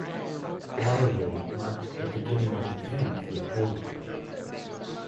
Waterloo marked the beginning of the end for Napoleon.